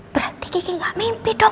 berarti sisi gak mimpi dok